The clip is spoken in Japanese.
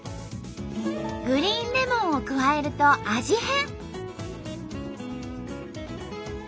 グリーンレモンを加えると味変！